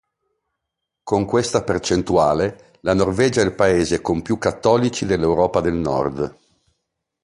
Con questa percentuale, la Norvegia è il paese con più cattolici dell'Europa del Nord.